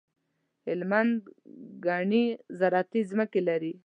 هلمند ګڼي زراعتي ځمکي لري.